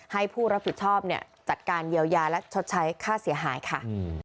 ให้ผู้รับผิดชอบจัดการเยียวยาและชดใช้ค่าเสียหายค่ะ